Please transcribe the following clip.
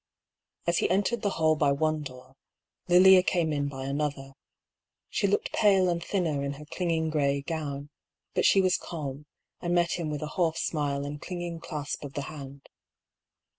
As he entered the hall by one door, Lilia came in by another. She looked pale and thinner in her clinging grey gown ; but she was calm, and met him with a half smile and clinging clasp of the hand.